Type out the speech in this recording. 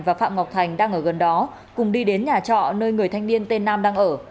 và phạm ngọc thành đang ở gần đó cùng đi đến nhà trọ nơi người thanh niên tên nam đang ở